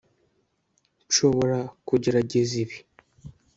Nshobora kugerageza ibi